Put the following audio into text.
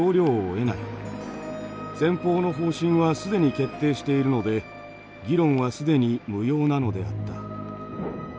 先方の方針は既に決定しているので議論は既に無用なのであった。